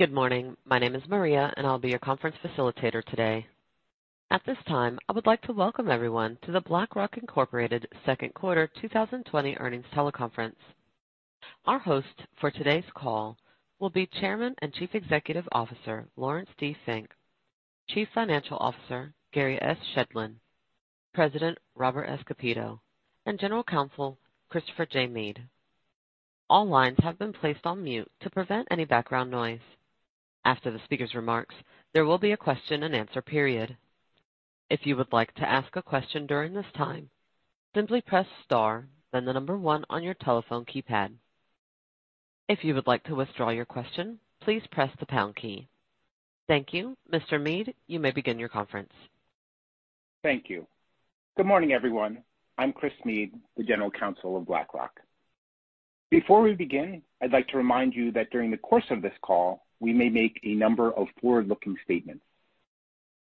Good morning. My name is Maria, and I'll be your conference facilitator today. At this time, I would like to welcome everyone to the BlackRock, Inc. second quarter 2020 earnings teleconference. Our host for today's call will be Chairman and Chief Executive Officer, Laurence D. Fink, Chief Financial Officer, Gary S. Shedlin, President, Robert S. Kapito, and General Counsel, Christopher J. Meade. All lines have been placed on mute to prevent any background noise. After the speaker's remarks, there will be a question and answer period. If you would like to ask a question during this time, simply press star, then the number one on your telephone keypad. If you would like to withdraw your question, please press the pound key. Thank you. Mr. Meade, you may begin your conference. Thank you. Good morning, everyone. I'm Chris Meade, the General Counsel of BlackRock. Before we begin, I'd like to remind you that during the course of this call, we may make a number of forward-looking statements.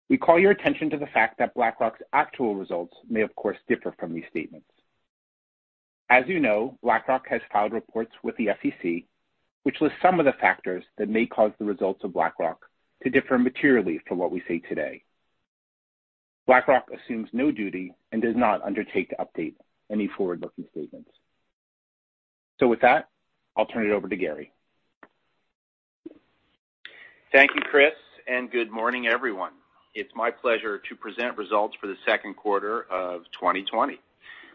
We call your attention to the fact that BlackRock's actual results may, of course, differ from these statements. As you know, BlackRock has filed reports with the SEC, which lists some of the factors that may cause the results of BlackRock to differ materially from what we say today. BlackRock assumes no duty and does not undertake to update any forward-looking statements. With that, I'll turn it over to Gary. Thank you, Chris, and good morning, everyone. It's my pleasure to present results for the second quarter of 2020.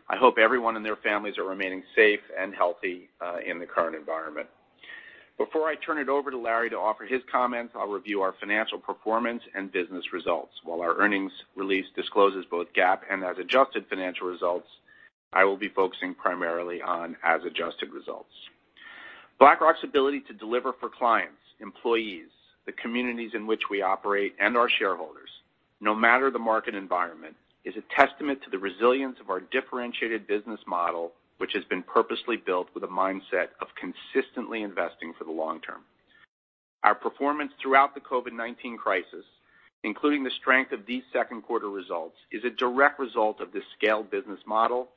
I hope everyone and their families are remaining safe and healthy in the current environment. Before I turn it over to Larry to offer his comments, I'll review our financial performance and business results. While our earnings release discloses both GAAP and as adjusted financial results, I will be focusing primarily on as adjusted results. BlackRock's ability to deliver for clients, employees, the communities in which we operate, and our shareholders, no matter the market environment, is a testament to the resilience of our differentiated business model, which has been purposely built with a mindset of consistently investing for the long term. Our performance throughout the COVID-19 crisis, including the strength of these second quarter results, is a direct result of this scaled business model,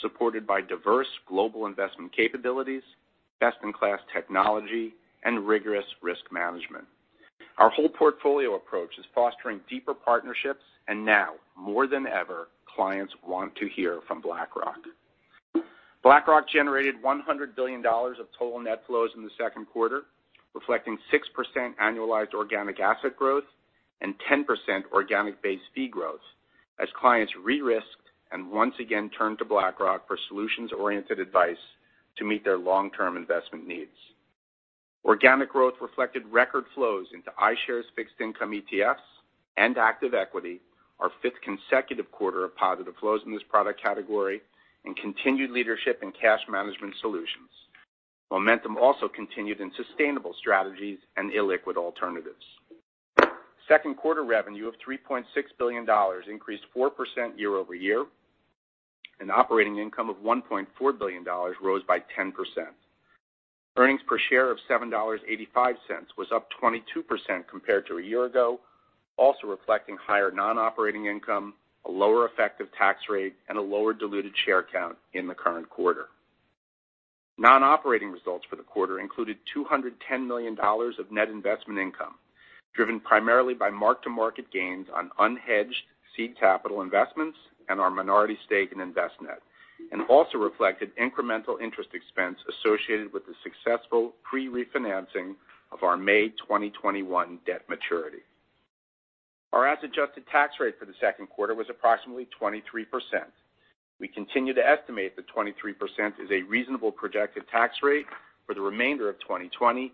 supported by diverse global investment capabilities, best-in-class technology, and rigorous risk management. Our whole portfolio approach is fostering deeper partnerships, and now more than ever, clients want to hear from BlackRock. BlackRock generated $100 billion of total net flows in the second quarter, reflecting 6% annualized organic asset growth and 10% organic base fee growth as clients re-risked and once again turned to BlackRock for solutions-oriented advice to meet their long-term investment needs. Organic growth reflected record flows into iShares fixed income ETFs and active equity, our fifth consecutive quarter of positive flows in this product category, and continued leadership in cash management solutions. Momentum also continued in sustainable strategies and illiquid alternatives. Second quarter revenue of $3.6 billion increased 4% year-over-year, and operating income of $1.4 billion rose by 10%. Earnings per share of $7.85 was up 22% compared to a year ago, also reflecting higher non-operating income, a lower effective tax rate, and a lower diluted share count in the current quarter. Non-operating results for the quarter included $210 million of net investment income, driven primarily by mark-to-market gains on unhedged seed capital investments and our minority stake in Envestnet, and also reflected incremental interest expense associated with the successful pre-refinancing of our May 2021 debt maturity. Our as adjusted tax rate for the second quarter was approximately 23%. We continue to estimate that 23% is a reasonable projected tax rate for the remainder of 2020,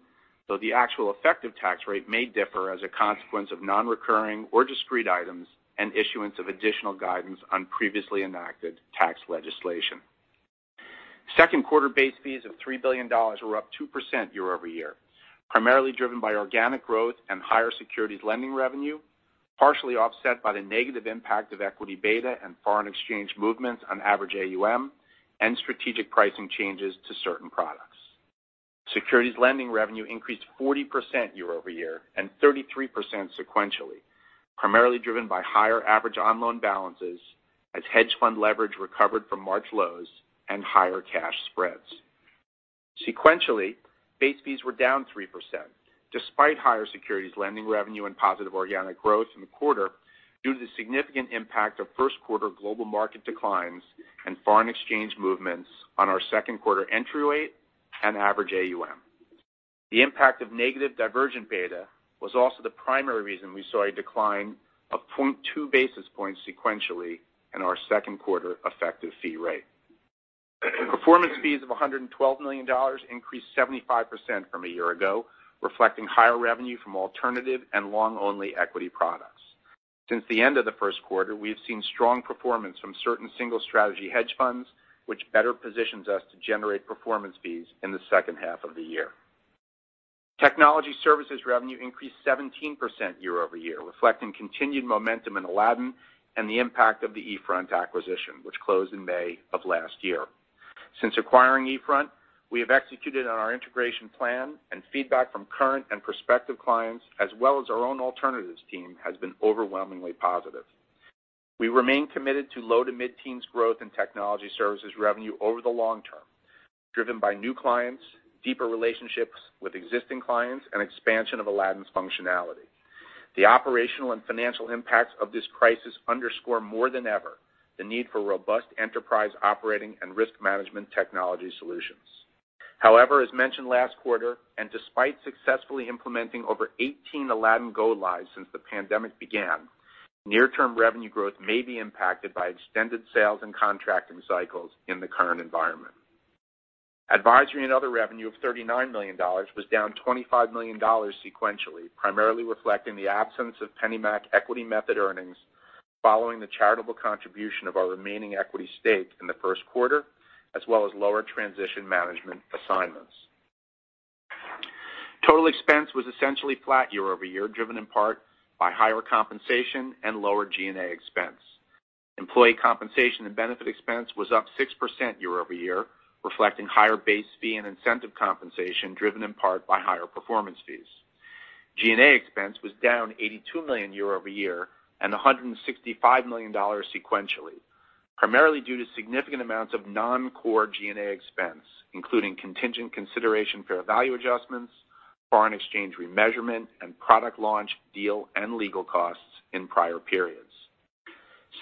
though the actual effective tax rate may differ as a consequence of non-recurring or discrete items and issuance of additional guidance on previously enacted tax legislation. Second quarter base fees of $3 billion were up 2% year-over-year, primarily driven by organic growth and higher securities lending revenue, partially offset by the negative impact of equity beta and foreign exchange movements on average AUM and strategic pricing changes to certain products. Securities lending revenue increased 40% year-over-year and 33% sequentially, primarily driven by higher average on-loan balances as hedge fund leverage recovered from March lows and higher cash spreads. Sequentially, base fees were down 3%, despite higher securities lending revenue and positive organic growth in the quarter due to the significant impact of first quarter global market declines and foreign exchange movements on our second quarter entry rate and average AUM. The impact of negative divergent beta was also the primary reason we saw a decline of 0.2 basis points sequentially in our second quarter effective fee rate. Performance fees of $112 million increased 75% from a year ago, reflecting higher revenue from alternative and long-only equity products. Since the end of the first quarter, we've seen strong performance from certain single strategy hedge funds, which better positions us to generate performance fees in the second half of the year. Technology services revenue increased 17% year-over-year, reflecting continued momentum in Aladdin and the impact of the eFront acquisition, which closed in May of last year. Since acquiring eFront, we have executed on our integration plan and feedback from current and prospective clients, as well as our own alternatives team, has been overwhelmingly positive. We remain committed to low- to mid-teens growth in technology services revenue over the long term, driven by new clients, deeper relationships with existing clients, and expansion of Aladdin's functionality. The operational and financial impacts of this crisis underscore more than ever the need for robust enterprise operating and risk management technology solutions. However, as mentioned last quarter, and despite successfully implementing over 18 Aladdin go-lives since the pandemic began, near-term revenue growth may be impacted by extended sales and contracting cycles in the current environment. Advisory and other revenue of $39 million was down $25 million sequentially, primarily reflecting the absence of PennyMac equity method earnings following the charitable contribution of our remaining equity stake in the first quarter, as well as lower transition management assignments. Total expense was essentially flat year over year, driven in part by higher compensation and lower G&A expense. Employee compensation and benefit expense was up 6% year over year, reflecting higher base fee and incentive compensation, driven in part by higher performance fees. G&A expense was down $82 million year over year, and $165 million sequentially, primarily due to significant amounts of non-core G&A expense, including contingent consideration, fair value adjustments, foreign exchange remeasurement, and product launch deal and legal costs in prior periods.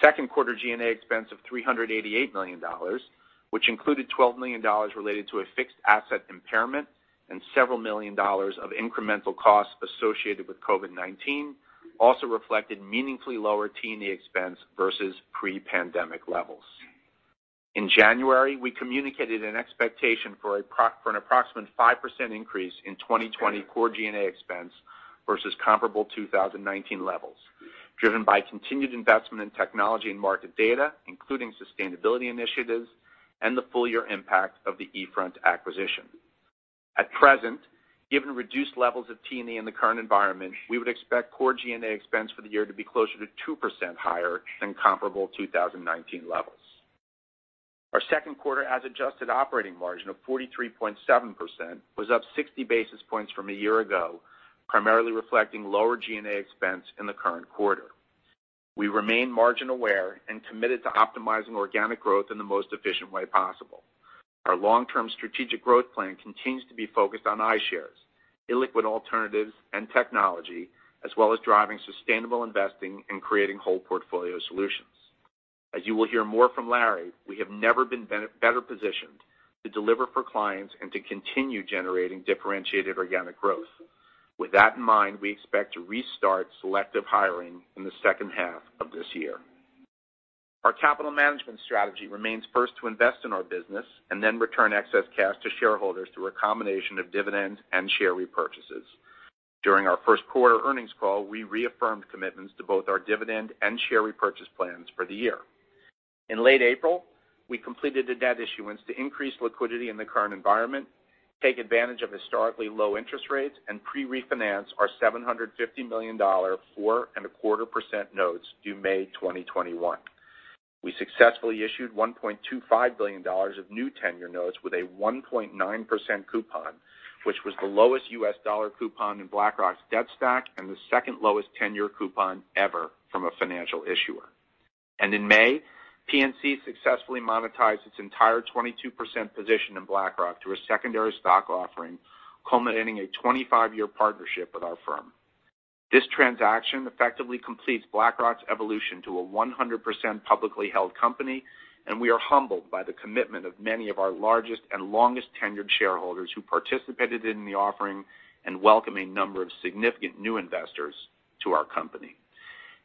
Second quarter G&A expense of $388 million, which included $12 million related to a fixed asset impairment and several million dollars of incremental costs associated with COVID-19, also reflected meaningfully lower T&E expense versus pre-pandemic levels. In January, we communicated an expectation for an approximate 5% increase in 2020 core G&A expense versus comparable 2019 levels, driven by continued investment in technology and market data, including sustainability initiatives and the full year impact of the eFront acquisition. At present, given reduced levels of T&E in the current environment, we would expect core G&A expense for the year to be closer to 2% higher than comparable 2019 levels. Our second quarter as adjusted operating margin of 43.7% was up 60 basis points from a year ago, primarily reflecting lower G&A expense in the current quarter. We remain margin aware and committed to optimizing organic growth in the most efficient way possible. Our long-term strategic growth plan continues to be focused on iShares, illiquid alternatives, and technology, as well as driving sustainable investing and creating whole portfolio solutions. As you will hear more from Larry, we have never been better positioned to deliver for clients and to continue generating differentiated organic growth. With that in mind, we expect to restart selective hiring in the second half of this year. Our capital management strategy remains first to invest in our business and then return excess cash to shareholders through a combination of dividends and share repurchases. During our first quarter earnings call, we reaffirmed commitments to both our dividend and share repurchase plans for the year. In late April, we completed a debt issuance to increase liquidity in the current environment, take advantage of historically low interest rates, and pre-refinance our $750 million 4.25% notes due May 2021. We successfully issued $1.25 billion of new 10-year notes with a 1.9% coupon, which was the lowest U.S. dollar coupon in BlackRock's debt stack and the second lowest 10-year coupon ever from a financial issuer. In May, PNC successfully monetized its entire 22% position in BlackRock through a secondary stock offering, culminating a 25-year partnership with our firm. This transaction effectively completes BlackRock's evolution to a 100% publicly held company, and we are humbled by the commitment of many of our largest and longest-tenured shareholders who participated in the offering and welcome a number of significant new investors to our company.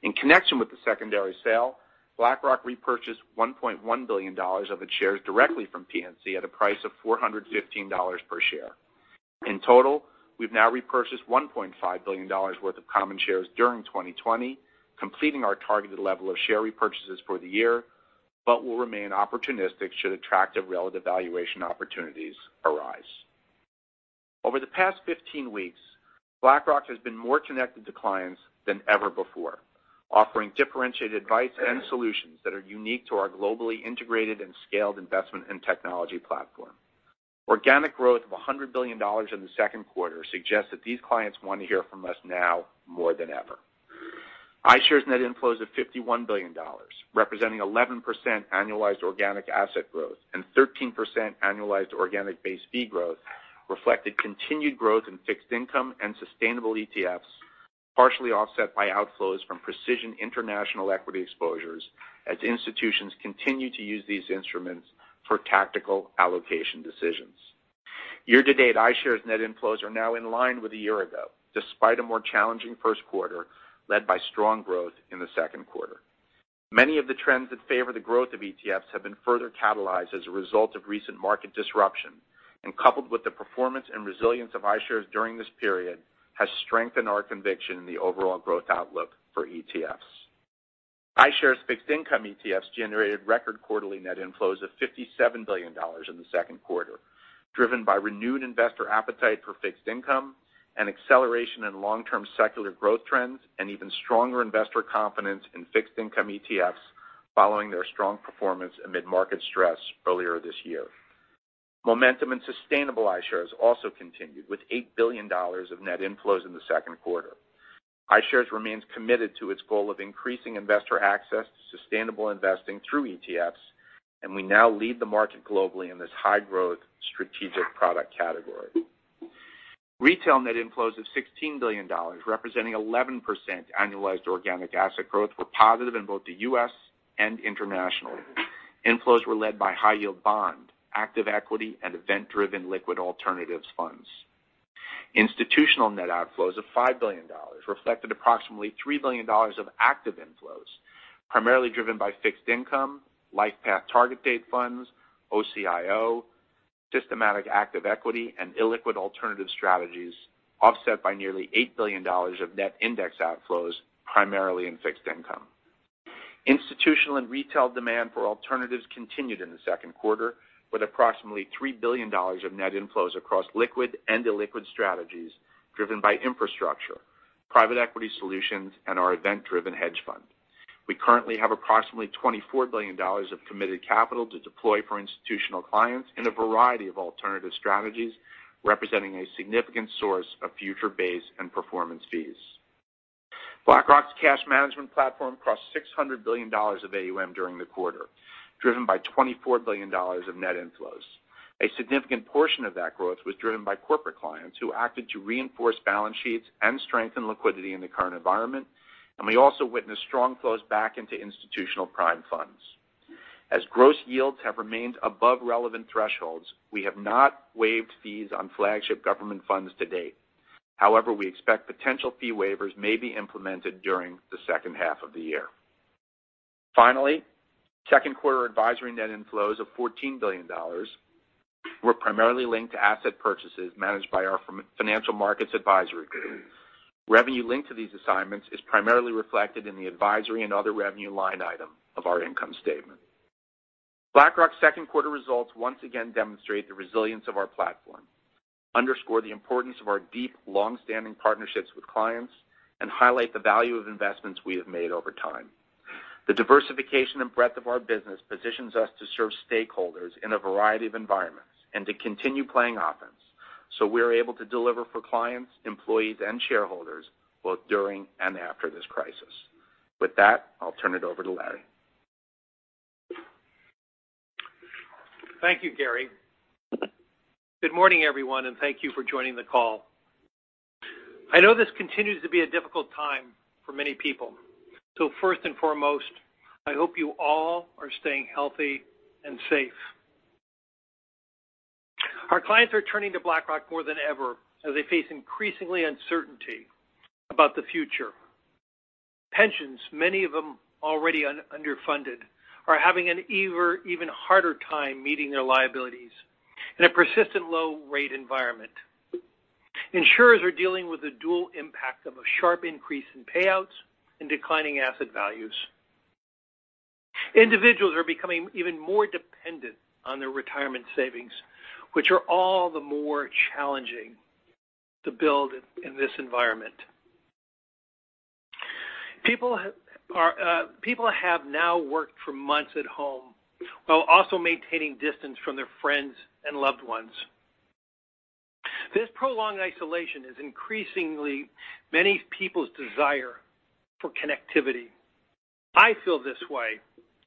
In connection with the secondary sale, BlackRock repurchased $1.1 billion of its shares directly from PNC at a price of $415 per share. In total, we've now repurchased $1.5 billion worth of common shares during 2020, completing our targeted level of share repurchases for the year. We'll remain opportunistic should attractive relative valuation opportunities arise. Over the past 15 weeks, BlackRock has been more connected to clients than ever before, offering differentiated advice and solutions that are unique to our globally integrated and scaled investment in technology platform. Organic growth of $100 billion in the second quarter suggests that these clients want to hear from us now more than ever. iShares net inflows of $51 billion, representing 11% annualized organic asset growth and 13% annualized organic base fee growth, reflected continued growth in fixed income and sustainable ETFs, partially offset by outflows from precision international equity exposures as institutions continue to use these instruments for tactical allocation decisions. Year to date, iShares net inflows are now in line with a year ago, despite a more challenging first quarter led by strong growth in the second quarter. Many of the trends that favor the growth of ETFs have been further catalyzed as a result of recent market disruption, and coupled with the performance and resilience of iShares during this period, has strengthened our conviction in the overall growth outlook for ETFs. iShares fixed income ETFs generated record quarterly net inflows of $57 billion in the second quarter, driven by renewed investor appetite for fixed income and acceleration in long-term secular growth trends and even stronger investor confidence in fixed income ETFs following their strong performance amid market stress earlier this year. Momentum and sustainable iShares also continued with $8 billion of net inflows in the second quarter. iShares remains committed to its goal of increasing investor access to sustainable investing through ETFs. We now lead the market globally in this high-growth strategic product category. Retail net inflows of $16 billion, representing 11% annualized organic asset growth, were positive in both the U.S. and international. Inflows were led by high-yield bond, active equity, and event-driven liquid alternatives funds. Institutional net outflows of $5 billion reflected approximately $3 billion of active inflows, primarily driven by fixed income, LifePath target date funds, OCIO, systematic active equity, and illiquid alternative strategies, offset by nearly $8 billion of net index outflows, primarily in fixed income. Institutional and retail demand for alternatives continued in the second quarter, with approximately $3 billion of net inflows across liquid and illiquid strategies driven by infrastructure, private equity solutions, and our event-driven hedge fund. We currently have approximately $24 billion of committed capital to deploy for institutional clients in a variety of alternative strategies, representing a significant source of future base and performance fees. BlackRock's cash management platform crossed $600 billion of AUM during the quarter, driven by $24 billion of net inflows. A significant portion of that growth was driven by corporate clients who acted to reinforce balance sheets and strengthen liquidity in the current environment, and we also witnessed strong flows back into institutional prime funds. As gross yields have remained above relevant thresholds, we have not waived fees on flagship government funds to date. However, we expect potential fee waivers may be implemented during the second half of the year. Finally, second-quarter advisory net inflows of $14 billion were primarily linked to asset purchases managed by our Financial Markets Advisory group. Revenue linked to these assignments is primarily reflected in the advisory and other revenue line item of our income statement. BlackRock's second quarter results once again demonstrate the resilience of our platform, underscore the importance of our deep, long-standing partnerships with clients, and highlight the value of investments we have made over time. The diversification and breadth of our business positions us to serve stakeholders in a variety of environments and to continue playing offense, so we're able to deliver for clients, employees, and shareholders both during and after this crisis. With that, I'll turn it over to Larry. Thank you, Gary. Good morning, everyone, and thank you for joining the call. I know this continues to be a difficult time for many people, so first and foremost, I hope you all are staying healthy and safe. Our clients are turning to BlackRock more than ever as they face increasing uncertainty about the future. Pensions, many of them already underfunded, are having an even harder time meeting their liabilities in a persistent low-rate environment. Insurers are dealing with the dual impact of a sharp increase in payouts and declining asset values. Individuals are becoming even more dependent on their retirement savings, which are all the more challenging to build in this environment. People have now worked for months at home while also maintaining distance from their friends and loved ones. This prolonged isolation is increasing many people's desire for connectivity. I feel this way.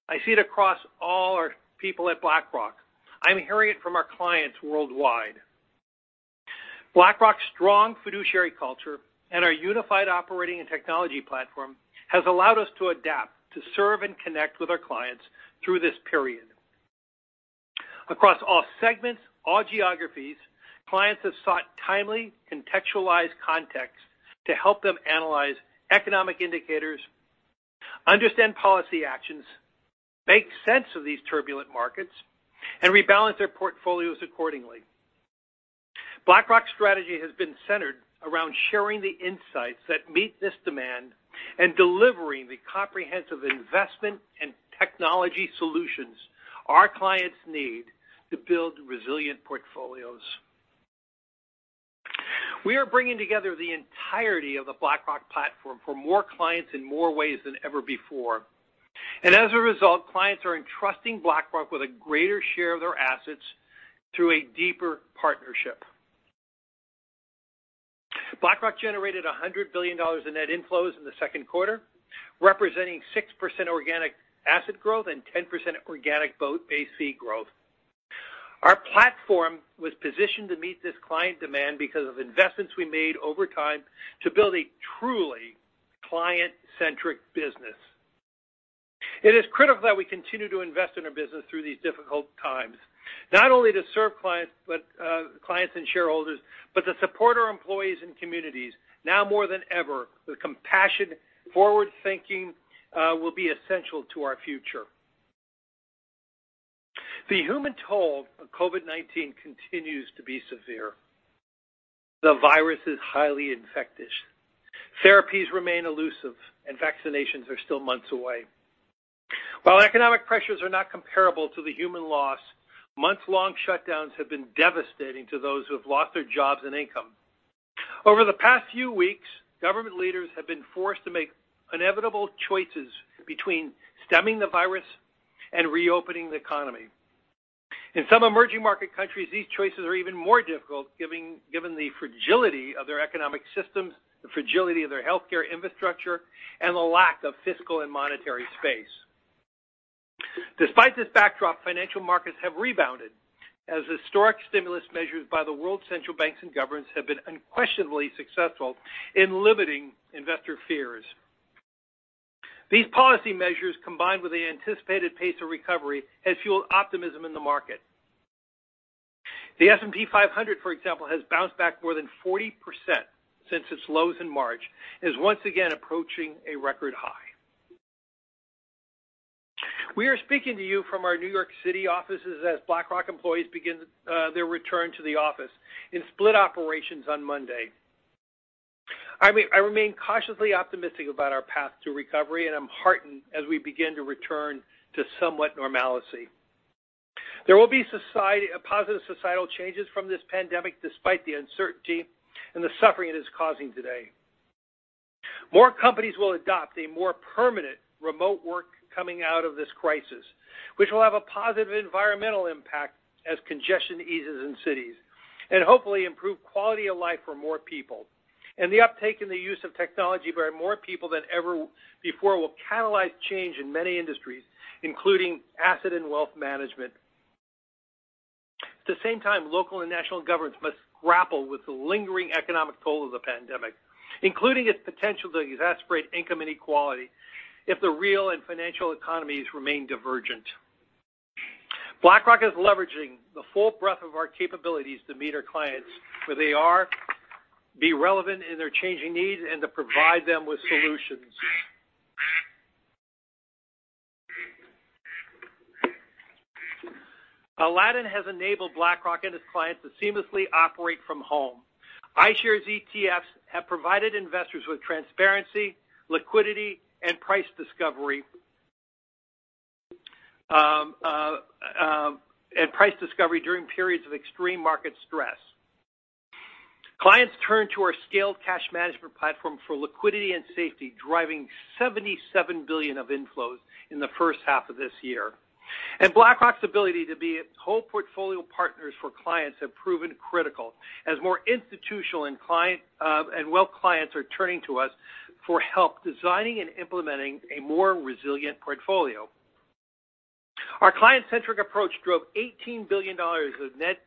I see it across all our people at BlackRock. I'm hearing it from our clients worldwide. BlackRock's strong fiduciary culture and our unified operating and technology platform has allowed us to adapt, to serve and connect with our clients through this period. Across all segments, all geographies, clients have sought timely, contextualized context to help them analyze economic indicators, understand policy actions, make sense of these turbulent markets, and rebalance their portfolios accordingly. BlackRock's strategy has been centered around sharing the insights that meet this demand and delivering the comprehensive investment and technology solutions our clients need to build resilient portfolios. We are bringing together the entirety of the BlackRock platform for more clients in more ways than ever before. As a result, clients are entrusting BlackRock with a greater share of their assets through a deeper partnership. BlackRock generated $100 billion in net inflows in the second quarter, representing 6% organic asset growth and 10% organic base fee growth. Our platform was positioned to meet this client demand because of investments we made over time to build a truly client-centric business. It is critical that we continue to invest in our business through these difficult times, not only to serve clients and shareholders, but to support our employees and communities. Now more than ever, the compassion, forward-thinking will be essential to our future. The human toll of COVID-19 continues to be severe. The virus is highly infectious. Therapies remain elusive, and vaccinations are still months away. While economic pressures are not comparable to the human loss, months-long shutdowns have been devastating to those who have lost their jobs and income. Over the past few weeks, government leaders have been forced to make inevitable choices between stemming the virus and reopening the economy. In some emerging market countries, these choices are even more difficult given the fragility of their economic systems, the fragility of their healthcare infrastructure, and the lack of fiscal and monetary space. Despite this backdrop, financial markets have rebounded as historic stimulus measures by the world's central banks and governments have been unquestionably successful in limiting investor fears. These policy measures, combined with the anticipated pace of recovery, has fueled optimism in the market. The S&P 500, for example, has bounced back more than 40% since its lows in March, and is once again approaching a record high. We are speaking to you from our New York City offices as BlackRock employees begin their return to the office in split operations on Monday. I remain cautiously optimistic about our path to recovery, and I'm heartened as we begin to return to somewhat normalcy. There will be positive societal changes from this pandemic, despite the uncertainty and the suffering it is causing today. More companies will adopt a more permanent remote work coming out of this crisis, which will have a positive environmental impact as congestion eases in cities, and hopefully improve quality of life for more people. The uptake in the use of technology by more people than ever before will catalyze change in many industries, including asset and wealth management. At the same time, local and national governments must grapple with the lingering economic toll of the pandemic, including its potential to exacerbate income inequality if the real and financial economies remain divergent. BlackRock is leveraging the full breadth of our capabilities to meet our clients where they are, be relevant in their changing needs, and to provide them with solutions. Aladdin has enabled BlackRock and its clients to seamlessly operate from home. iShares ETFs have provided investors with transparency, liquidity, and price discovery during periods of extreme market stress. Clients turn to our scaled cash management platform for liquidity and safety, driving $77 billion of inflows in the first half of this year. BlackRock's ability to be whole portfolio partners for clients have proven critical as more institutional and wealth clients are turning to us for help designing and implementing a more resilient portfolio. Our client-centric approach drove $18 billion of net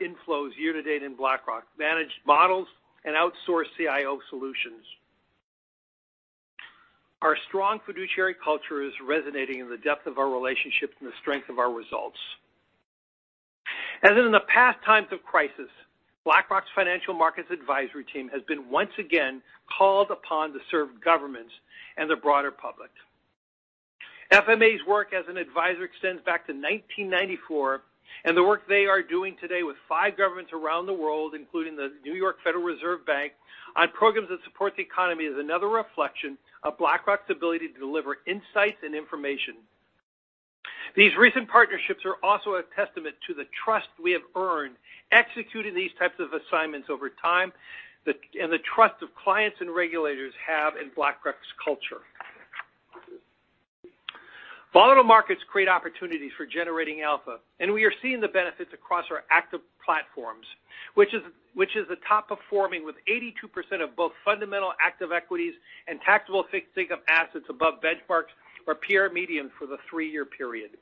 inflows year to date in BlackRock, managed models, and outsourced CIO solutions. Our strong fiduciary culture is resonating in the depth of our relationships and the strength of our results. As in the past times of crisis, BlackRock's Financial Markets Advisory team has been once again called upon to serve governments and the broader public. FMA's work as an advisor extends back to 1994, and the work they are doing today with five governments around the world, including the New York Federal Reserve Bank, on programs that support the economy, is another reflection of BlackRock's ability to deliver insights and information. These recent partnerships are also a testament to the trust we have earned executing these types of assignments over time, and the trust of clients and regulators have in BlackRock's culture. Volatile markets create opportunities for generating alpha, and we are seeing the benefits across our active platforms, which is the top performing with 82% of both fundamental active equities and taxable fixed income assets above benchmarks or peer medians for the three-year period.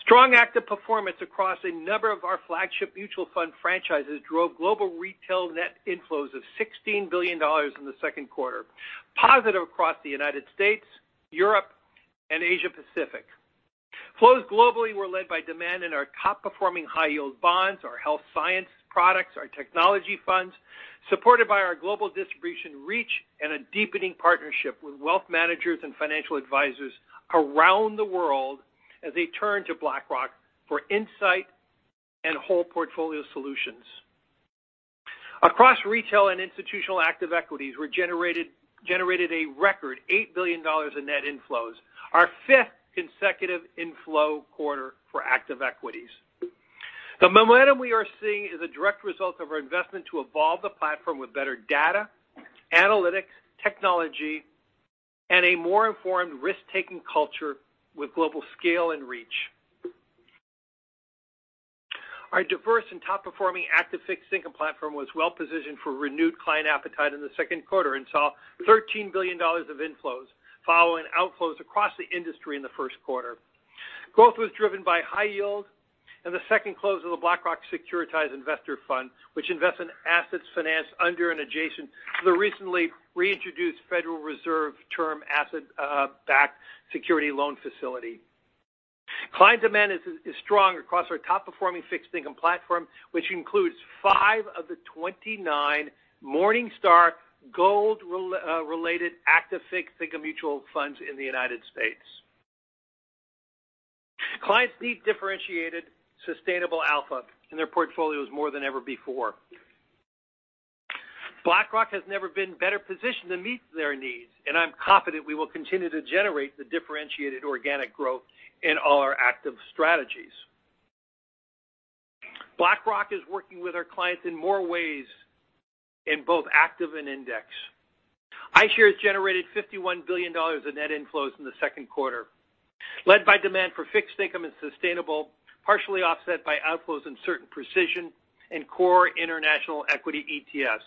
Strong active performance across a number of our flagship mutual fund franchises drove global retail net inflows of $16 billion in the second quarter, positive across the United States, Europe, and Asia Pacific. Flows globally were led by demand in our top performing high-yield bonds, our health science products, our technology funds, supported by our global distribution reach and a deepening partnership with wealth managers and financial advisors around the world as they turn to BlackRock for insight and whole portfolio solutions. Across retail and institutional active equities, we generated a record $8 billion in net inflows, our fifth consecutive inflow quarter for active equities. The momentum we are seeing is a direct result of our investment to evolve the platform with better data, analytics, technology, and a more informed risk-taking culture with global scale and reach. Our diverse and top-performing active fixed income platform was well-positioned for renewed client appetite in the second quarter and saw $13 billion of inflows following outflows across the industry in the first quarter. Growth was driven by high yield and the second close of the BlackRock Securitized Investor Fund, which invests in assets finance under and adjacent to the recently reintroduced Federal Reserve Term Asset-Backed Security Loan Facility. Client demand is strong across our top-performing fixed income platform, which includes five of the 29 Morningstar Gold-rated active fixed income mutual funds in the U.S. Clients need differentiated, sustainable alpha in their portfolios more than ever before. BlackRock has never been better positioned to meet their needs, and I'm confident we will continue to generate the differentiated organic growth in all our active strategies. BlackRock is working with our clients in more ways in both active and index. iShares generated $51 billion of net inflows in the second quarter, led by demand for fixed income and sustainable, partially offset by outflows in certain precision and core international equity ETFs.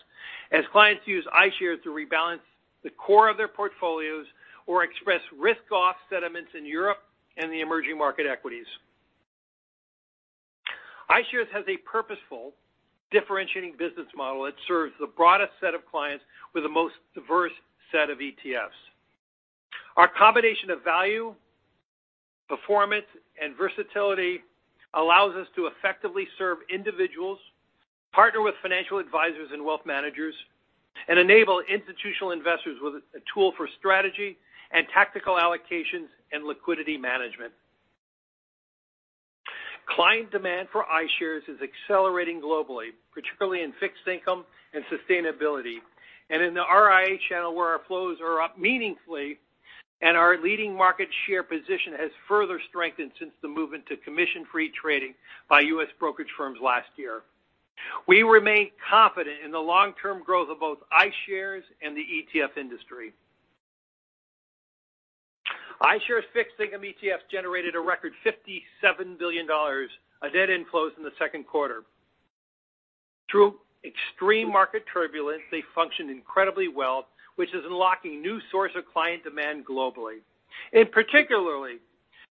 As clients use iShares to rebalance the core of their portfolios or express risk-off sentiments in Europe and the emerging market equities. iShares has a purposeful, differentiating business model that serves the broadest set of clients with the most diverse set of ETFs. Our combination of value, performance, and versatility allows us to effectively serve individuals, partner with financial advisors and wealth managers, and enable institutional investors with a tool for strategy and tactical allocations and liquidity management. Client demand for iShares is accelerating globally, particularly in fixed income and sustainability, and in the RIA channel where our flows are up meaningfully and our leading market share position has further strengthened since the move into commission-free trading by U.S. brokerage firms last year. We remain confident in the long-term growth of both iShares and the ETF industry. iShares fixed income ETFs generated a record $57 billion of net inflows in the second quarter. Through extreme market turbulence, they functioned incredibly well, which is unlocking new source of client demand globally. In particular,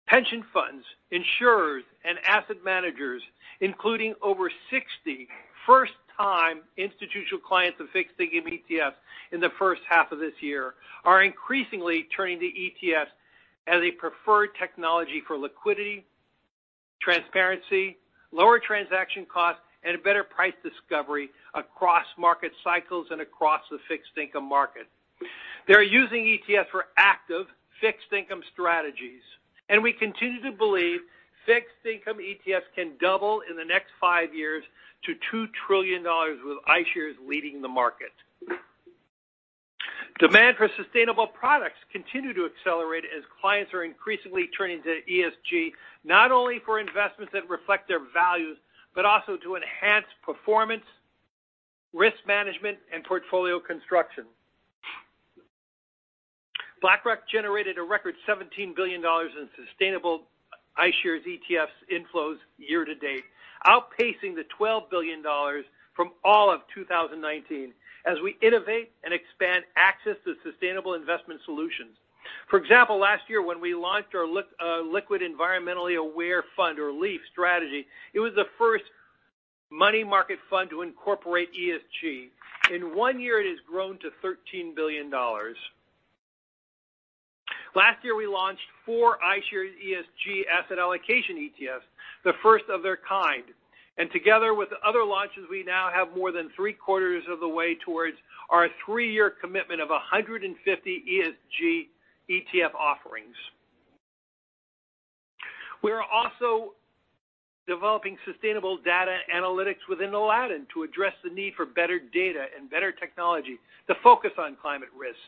pension funds, insurers, and asset managers, including over 60 first-time institutional clients of fixed income ETFs in the first half of this year, are increasingly turning to ETFs as a preferred technology for liquidity, transparency, lower transaction costs, and better price discovery across market cycles and across the fixed income market. They're using ETFs for active fixed income strategies, and we continue to believe fixed income ETFs can double in the next five years to $2 trillion with iShares leading the market. Demand for sustainable products continue to accelerate as clients are increasingly turning to ESG, not only for investments that reflect their values, but also to enhance performance, risk management, and portfolio construction. BlackRock generated a record $17 billion in sustainable iShares ETFs inflows year to date, outpacing the $12 billion from all of 2019 as we innovate and expand access to sustainable investment solutions. For example, last year, when we launched our Liquid Environmentally Aware Fund, or LEAF strategy, it was the first money market fund to incorporate ESG. In one year, it has grown to $13 billion. Last year, we launched four iShares ESG asset allocation ETFs, the first of their kind, and together with the other launches, we now have more than three-quarters of the way towards our three-year commitment of 150 ESG ETF offerings. We are also developing sustainable data analytics within Aladdin to address the need for better data and better technology to focus on climate risks.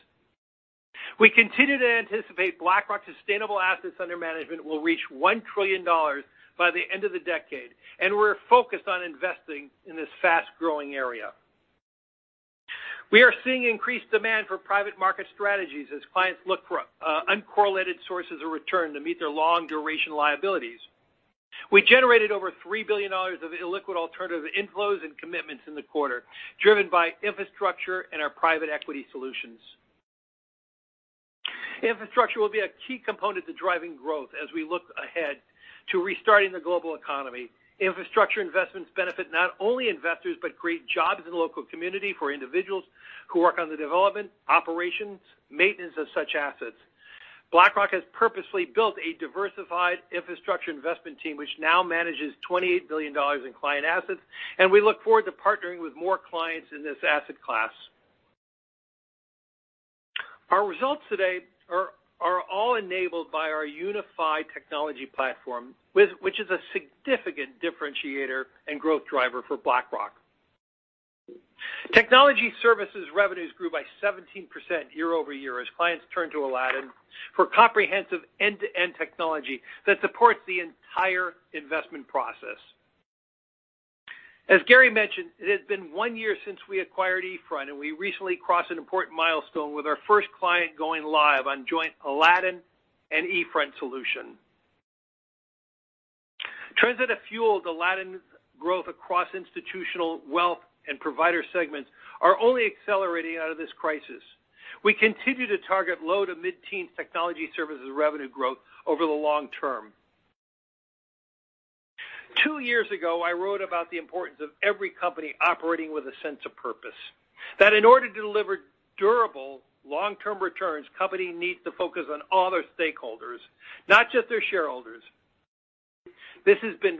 We continue to anticipate BlackRock's sustainable assets under management will reach $1 trillion by the end of the decade, and we're focused on investing in this fast-growing area. We are seeing increased demand for private market strategies as clients look for uncorrelated sources of return to meet their long-duration liabilities. We generated over $3 billion of illiquid alternative inflows and commitments in the quarter, driven by infrastructure and our private equity solutions. Infrastructure will be a key component to driving growth as we look ahead to restarting the global economy. Infrastructure investments benefit not only investors but create jobs in the local community for individuals who work on the development, operations, maintenance of such assets. BlackRock has purposefully built a diversified infrastructure investment team, which now manages $28 billion in client assets, and we look forward to partnering with more clients in this asset class. Our results today are all enabled by our unified technology platform, which is a significant differentiator and growth driver for BlackRock. Technology services revenues grew by 17% year-over-year as clients turn to Aladdin for comprehensive end-to-end technology that supports the entire investment process. As Gary mentioned, it has been one year since we acquired eFront, and we recently crossed an important milestone with our first client going live on joint Aladdin and eFront solution. Trends that have fueled Aladdin's growth across institutional wealth and provider segments are only accelerating out of this crisis. We continue to target low- to mid-teens technology services revenue growth over the long term. Two years ago, I wrote about the importance of every company operating with a sense of purpose, that in order to deliver durable, long-term returns, companies need to focus on all their stakeholders, not just their shareholders. This has been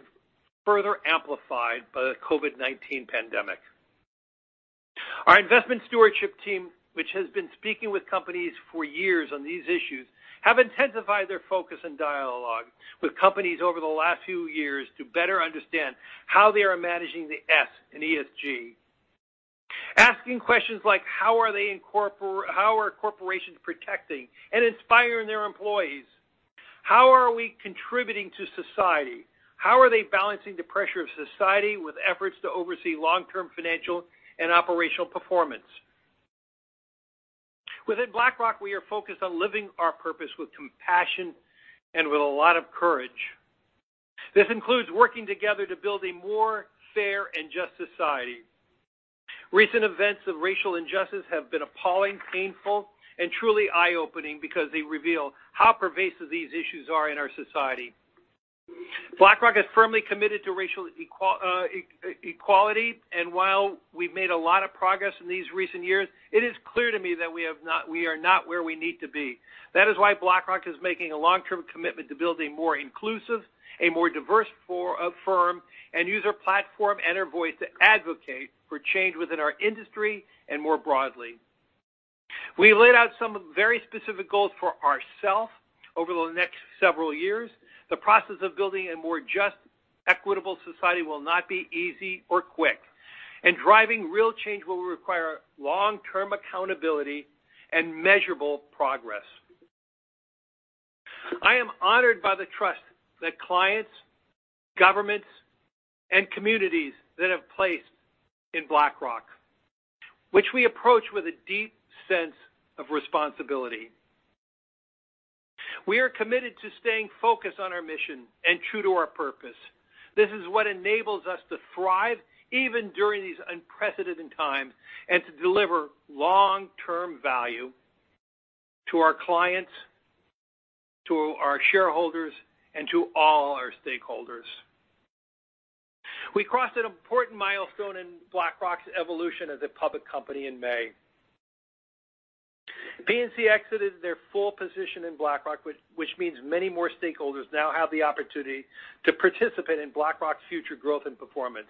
further amplified by the COVID-19 pandemic. Our investment stewardship team, which has been speaking with companies for years on these issues, have intensified their focus and dialogue with companies over the last few years to better understand how they are managing the S in ESG. Asking questions like: how are corporations protecting and inspiring their employees? How are we contributing to society? How are they balancing the pressure of society with efforts to oversee long-term financial and operational performance? Within BlackRock, we are focused on living our purpose with compassion and with a lot of courage. This includes working together to build a more fair and just society. Recent events of racial injustice have been appalling, painful, and truly eye-opening because they reveal how pervasive these issues are in our society. BlackRock is firmly committed to racial equality, and while we've made a lot of progress in these recent years, it is clear to me that we are not where we need to be. That is why BlackRock is making a long-term commitment to build a more inclusive, a more diverse firm, and use our platform and our voice to advocate for change within our industry and more broadly. We laid out some very specific goals for ourselves over the next several years. The process of building a more just, equitable society will not be easy or quick, and driving real change will require long-term accountability and measurable progress. I am honored by the trust that clients, governments, and communities that have placed in BlackRock, which we approach with a deep sense of responsibility. We are committed to staying focused on our mission and true to our purpose. This is what enables us to thrive even during these unprecedented times, and to deliver long-term value to our clients, to our shareholders, and to all our stakeholders. We crossed an important milestone in BlackRock's evolution as a public company in May. PNC exited their full position in BlackRock, which means many more stakeholders now have the opportunity to participate in BlackRock's future growth and performance.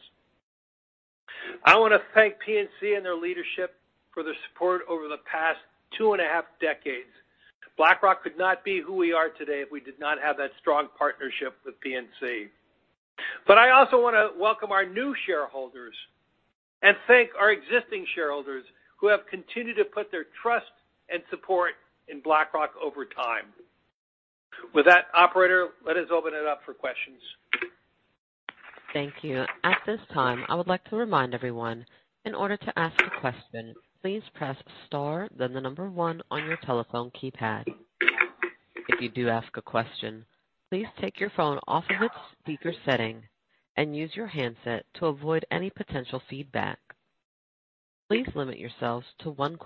I want to thank PNC and their leadership for their support over the past two and a half decades. BlackRock could not be who we are today if we did not have that strong partnership with PNC. I also want to welcome our new shareholders and thank our existing shareholders who have continued to put their trust and support in BlackRock over time. With that, operator, let us open it up for questions. Thank you. At this time, I would like to remind everyone, in order to ask a question, please press star then the number one on your telephone keypad. If you do ask a question, please take your phone off of its speaker setting and use your handset to avoid any potential feedback. Please limit yourselves to one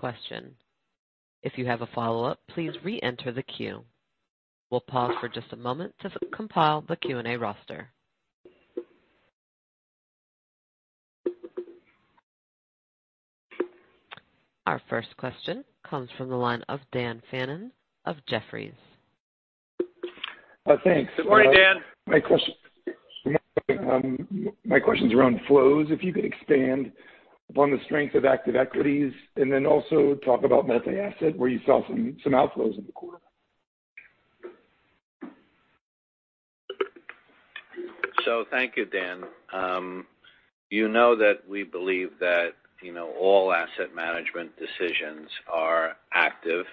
question. If you have a follow-up, please reenter the queue. We'll pause for just a moment to compile the Q&A roster. Our first question comes from the line of Daniel Fannon of Jefferies. Thanks. Good morning, Dan. My question is around flows, if you could expand upon the strength of active equities and then also talk about multi-asset, where you saw some outflows in the quarter. Thank you, Dan. You know that we believe that all asset management decisions are active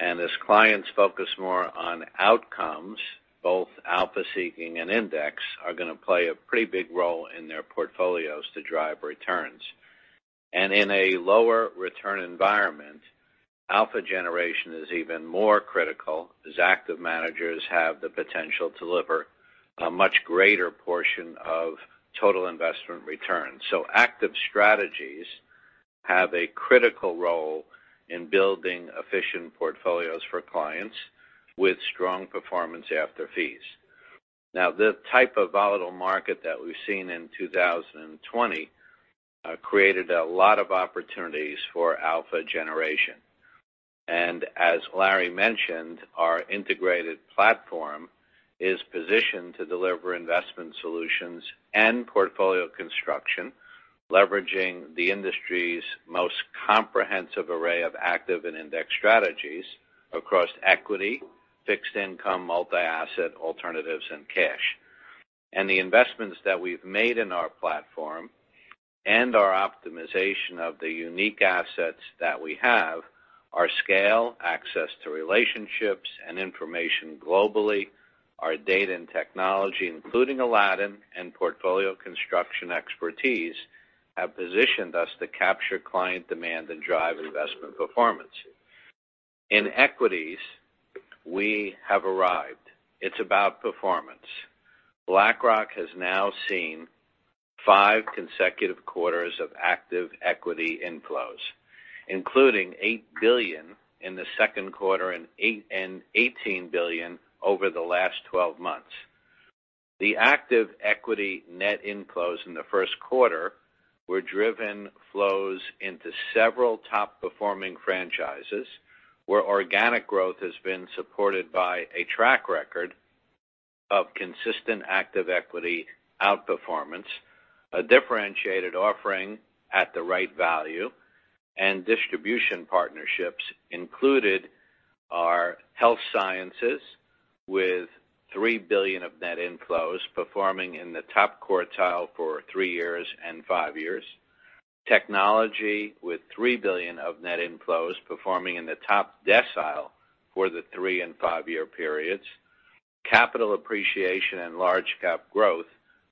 and as clients focus more on outcomes, both alpha seeking and index are going to play a pretty big role in their portfolios to drive returns. In a lower return environment, alpha generation is even more critical as active managers have the potential to deliver a much greater portion of total investment returns. Active strategies have a critical role in building efficient portfolios for clients with strong performance after fees. Now, the type of volatile market that we've seen in 2020, created a lot of opportunities for alpha generation. As Larry mentioned, our integrated platform is positioned to deliver investment solutions and portfolio construction, leveraging the industry's most comprehensive array of active and index strategies across equity, fixed income, multi-asset, alternatives, and cash. The investments that we've made in our platform and our optimization of the unique assets that we have, our scale, access to relationships and information globally, our data and technology, including Aladdin and portfolio construction expertise, have positioned us to capture client demand and drive investment performance. In equities, we have arrived. It's about performance. BlackRock has now seen five consecutive quarters of active equity inflows, including $8 billion in the second quarter and $18 billion over the last 12 months. The active equity net inflows in the first quarter were driven flows into several top-performing franchises, where organic growth has been supported by a track record of consistent active equity outperformance, a differentiated offering at the right value, and distribution partnerships including health sciences with $3 billion of net inflows performing in the top quartile for three years and five years. Technology with $3 billion of net inflows performing in the top decile for the three- and five-year periods. Capital appreciation and large cap growth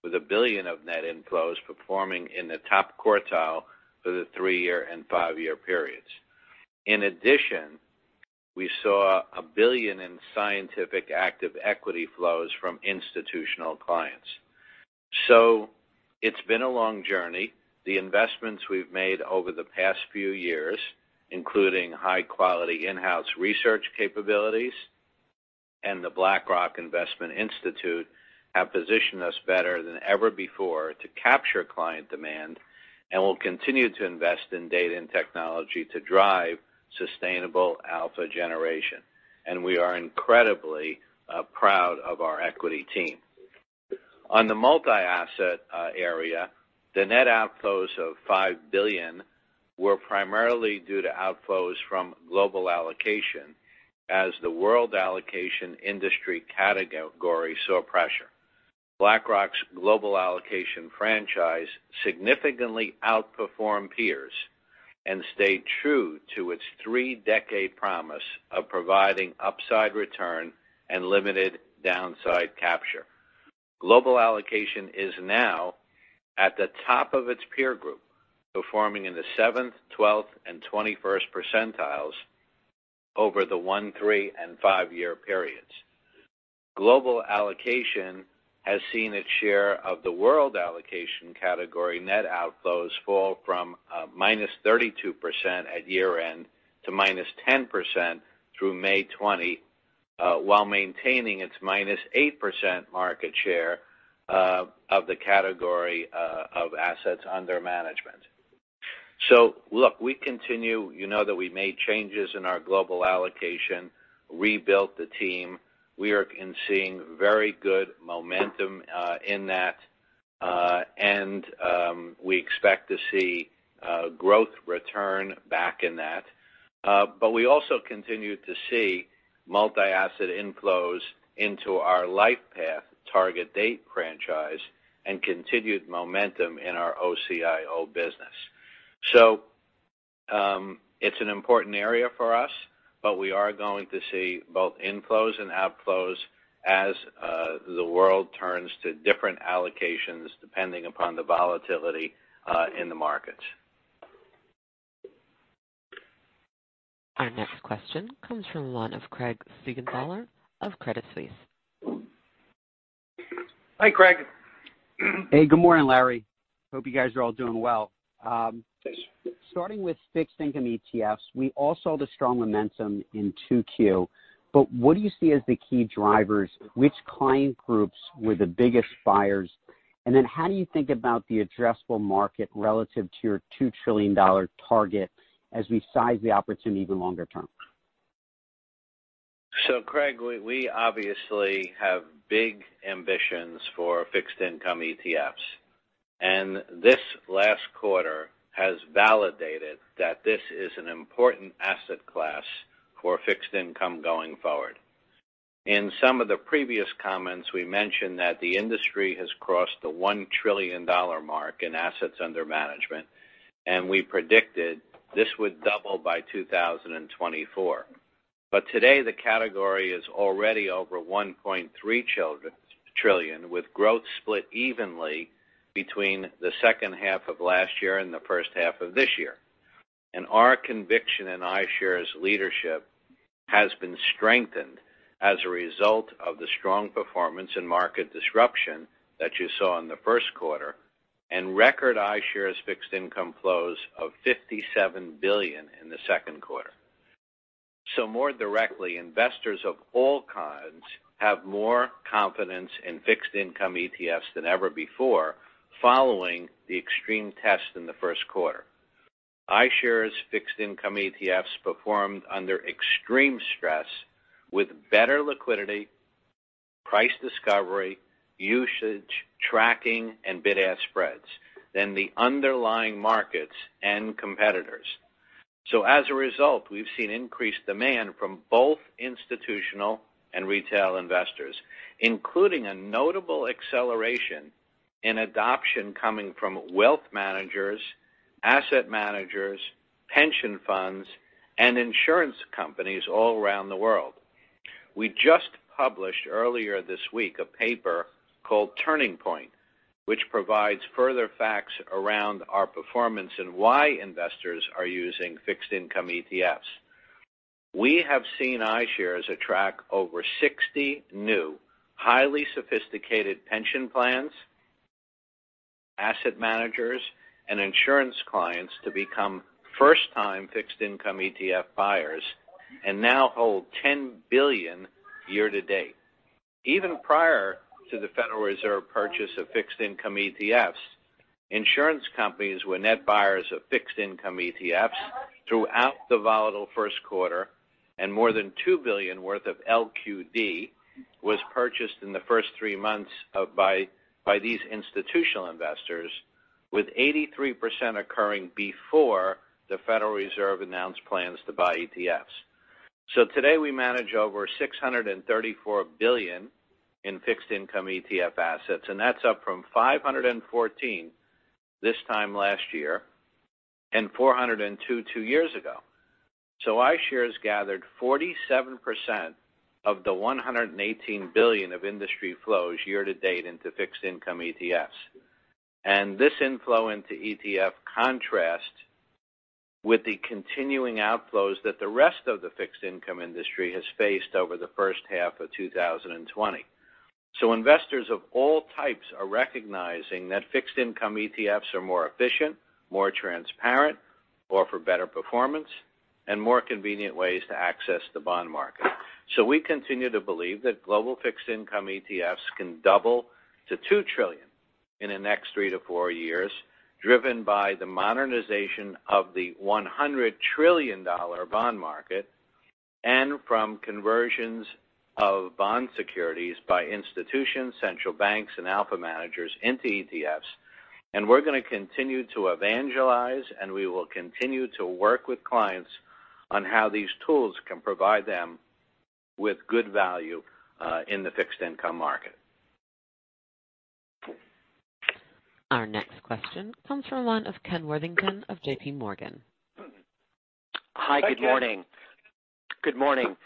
with $1 billion of net inflows performing in the top quartile for the three- and five-year periods. In addition, we saw $1 billion in scientific active equity flows from institutional clients. It's been a long journey. The investments we've made over the past few years, including high quality in-house research capabilities and the BlackRock Investment Institute, have positioned us better than ever before to capture client demand, and we'll continue to invest in data and technology to drive sustainable alpha generation. We are incredibly proud of our equity team. On the multi-asset area, the net outflows of $5 billion were primarily due to outflows from global allocation as the world allocation industry category saw pressure. BlackRock's global allocation franchise significantly outperformed peers and stayed true to its three-decade promise of providing upside return and limited downside capture. Global allocation is now at the top of its peer group, performing in the seventh, 12th, and 21st percentiles over the one, three and five-year periods. Global allocation has seen its share of the world allocation category net outflows fall from minus 32% at year-end to minus 10% through May 20, while maintaining its minus 8% market share of the category of assets under management. Look, we continue You know that we made changes in our global allocation, rebuilt the team. We are seeing very good momentum in that. We expect to see growth return back in that. We also continue to see multi-asset inflows into our LifePath target date franchise and continued momentum in our OCIO business. It's an important area for us, but we are going to see both inflows and outflows as the world turns to different allocations depending upon the volatility in the markets. Our next question comes from the line of Craig Siegenthaler of Credit Suisse. Hi, Craig. Hey, good morning, Larry. Hope you guys are all doing well. Yes. Starting with fixed income ETFs, we all saw the strong momentum in Q2, but what do you see as the key drivers? Which client groups were the biggest buyers? How do you think about the addressable market relative to your $2 trillion target as we size the opportunity even longer term? Craig, we obviously have big ambitions for fixed income ETFs, and this last quarter has validated that this is an important asset class for fixed income going forward. In some of the previous comments, we mentioned that the industry has crossed the $1 trillion mark in assets under management, and we predicted this would double by 2024. Today, the category is already over $1.3 trillion, with growth split evenly between the second half of last year and the first half of this year. Our conviction in iShares leadership has been strengthened as a result of the strong performance and market disruption that you saw in the first quarter and record iShares fixed income flows of $57 billion in the second quarter. More directly, investors of all kinds have more confidence in fixed income ETFs than ever before following the extreme test in the first quarter. iShares fixed income ETFs performed under extreme stress with better liquidity, price discovery, usage, tracking, and bid-ask spreads than the underlying markets and competitors. As a result, we've seen increased demand from both institutional and retail investors, including a notable acceleration in adoption coming from wealth managers, asset managers, pension funds, and insurance companies all around the world. We just published earlier this week a paper called Turning Point, which provides further facts around our performance and why investors are using fixed income ETFs. We have seen iShares attract over 60 new highly sophisticated pension plans, asset managers, and insurance clients to become first-time fixed income ETF buyers and now hold $10 billion year to date. Even prior to the Federal Reserve purchase of fixed income ETFs, insurance companies were net buyers of fixed income ETFs throughout the volatile first quarter, and more than $2 billion worth of LQD was purchased in the first three months by these institutional investors. With 83% occurring before the Federal Reserve announced plans to buy ETFs. Today, we manage over $634 billion in fixed income ETF assets, and that's up from $514 this time last year, and $402, two years ago. iShares gathered 47% of the $118 billion of industry flows year to date into fixed income ETFs. This inflow into ETF contrasts with the continuing outflows that the rest of the fixed income industry has faced over the first half of 2020. Investors of all types are recognizing that fixed income ETFs are more efficient, more transparent, offer better performance, and more convenient ways to access the bond market. We continue to believe that global fixed income ETFs can double to $2 trillion in the next 3-4 years, driven by the modernization of the $100 trillion bond market, and from conversions of bond securities by institutions, central banks, and alpha managers into ETFs. We're going to continue to evangelize, and we will continue to work with clients on how these tools can provide them with good value in the fixed income market. Our next question comes from the line of Kenneth Worthington of JP Morgan. Hi, Ken. Hi, good morning. Good morning.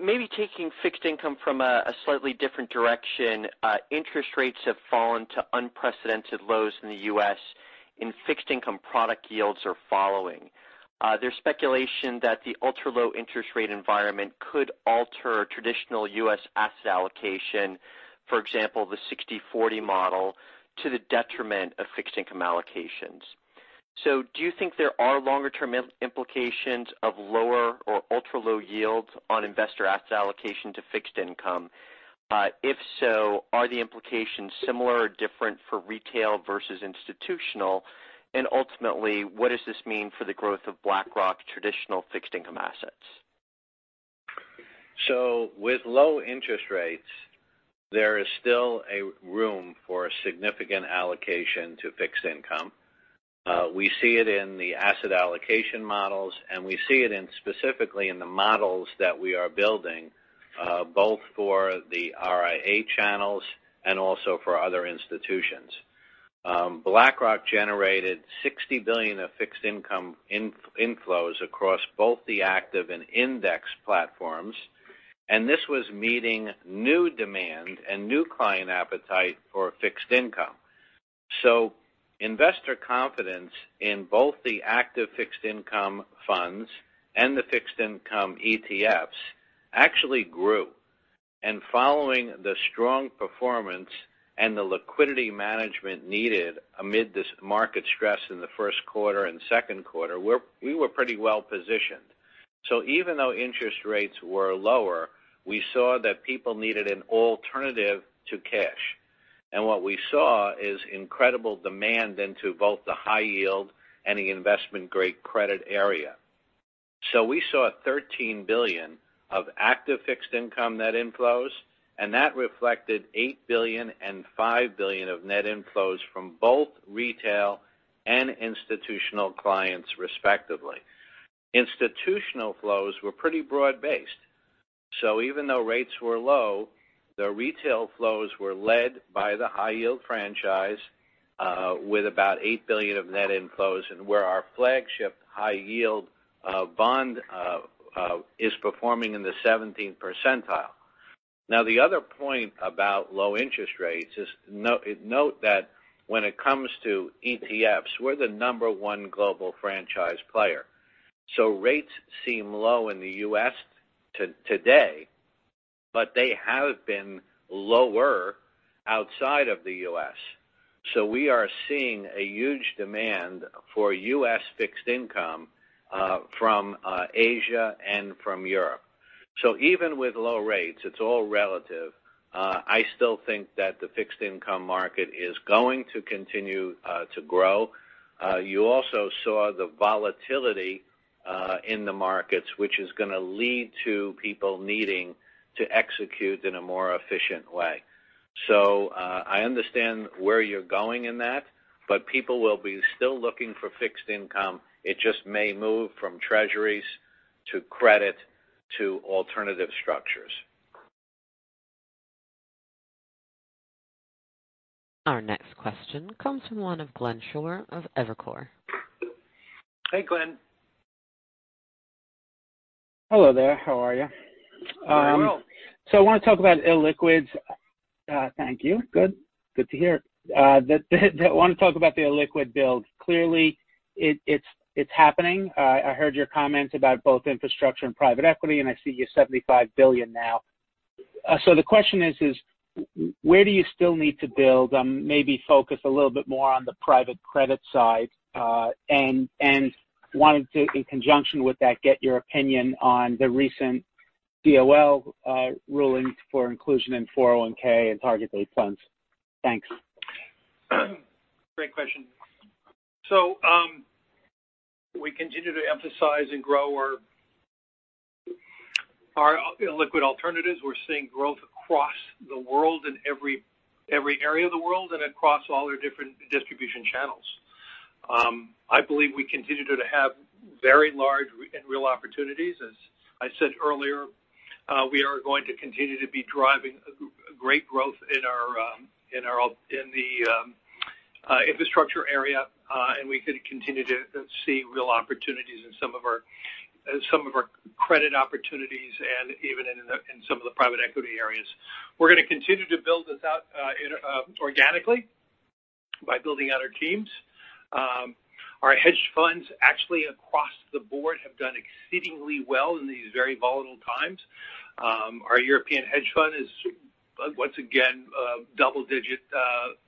Maybe taking fixed income from a slightly different direction. Interest rates have fallen to unprecedented lows in the U.S., and fixed income product yields are following. There's speculation that the ultra-low interest rate environment could alter traditional U.S. asset allocation, for example, the 60/40 model, to the detriment of fixed income allocations. Do you think there are longer-term implications of lower or ultra-low yields on investor asset allocation to fixed income? If so, are the implications similar or different for retail versus institutional? Ultimately, what does this mean for the growth of BlackRock traditional fixed income assets? With low interest rates, there is still a room for significant allocation to fixed income. We see it in the asset allocation models, and we see it specifically in the models that we are building, both for the RIA channels and also for other institutions. BlackRock generated $60 billion of fixed income inflows across both the active and index platforms, and this was meeting new demand and new client appetite for fixed income. Investor confidence in both the active fixed income funds and the fixed income ETFs actually grew. Following the strong performance and the liquidity management needed amid this market stress in the first quarter and second quarter, we were pretty well-positioned. Even though interest rates were lower, we saw that people needed an alternative to cash. What we saw is incredible demand into both the high-yield and investment-grade credit area. We saw $13 billion of active fixed income net inflows, and that reflected $8 billion and $5 billion of net inflows from both retail and institutional clients, respectively. Institutional flows were pretty broad-based. Even though rates were low, the retail flows were led by the high yield franchise, with about $8 billion of net inflows, and where our flagship high yield bond is performing in the 17th percentile. The other point about low interest rates is note that when it comes to ETFs, we're the number one global franchise player. Rates seem low in the U.S. today, but they have been lower outside of the U.S. We are seeing a huge demand for U.S. fixed income from Asia and from Europe. Even with low rates, it's all relative. I still think that the fixed income market is going to continue to grow. You also saw the volatility in the markets, which is going to lead to people needing to execute in a more efficient way. I understand where you're going in that, but people will be still looking for fixed income. It just may move from treasuries to credit to alternative structures. Our next question comes from the line of Glenn Schorr of Evercore. Hey, Glenn. Hello there. How are you? Very well. I want to talk about illiquids. Thank you. Good. Good to hear. I want to talk about the illiquid build. Clearly, it's happening. I heard your comments about both infrastructure and private equity, and I see you're $75 billion now. The question is, where do you still need to build? Maybe focus a little bit more on the private credit side. Wanted to, in conjunction with that, get your opinion on the recent DOL ruling for inclusion in 401 and target date funds. Thanks. Great question. We continue to emphasize and grow our Our illiquid alternatives, we're seeing growth across the world, in every area of the world, and across all our different distribution channels. I believe we continue to have very large and real opportunities. As I said earlier, we are going to continue to be driving great growth in the infrastructure area, and we could continue to see real opportunities in some of our credit opportunities and even in some of the private equity areas. We're going to continue to build this out organically by building out our teams. Our hedge funds actually across the board have done exceedingly well in these very volatile times. Our European hedge fund is once again double-digit